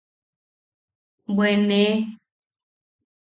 Bwe ne.